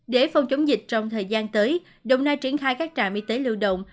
để phòng chống dịch trong thời gian tới đồng nai triển khai các trạm y tế lưu động